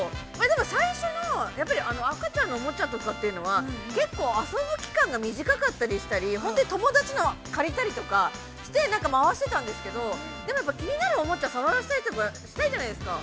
最初の、やっぱり赤ちゃんのおもちゃとかというのは結構遊ぶ期間が短かったりしたり本当に友達の借りたりとかしてなんか回してたんですけど、でも、やっぱり気になるおもちゃ触らせたりとかしたいじゃないですか。